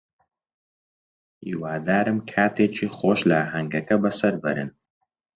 هیوادارم کاتێکی خۆش لە ئاهەنگەکە بەسەر بەرن.